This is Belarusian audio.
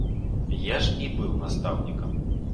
Я ж і быў настаўнікам!